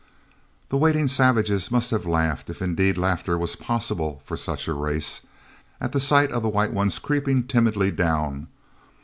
he waiting savages must have laughed, if indeed laughter was possible for such a race, at sight of the White Ones creeping timidly down.